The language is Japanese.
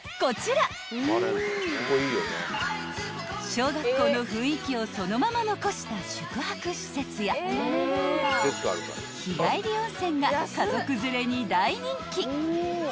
［小学校の雰囲気をそのまま残した宿泊施設や日帰り温泉が家族連れに大人気］